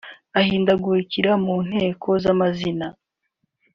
ahindagurikira mu nteko z’amazina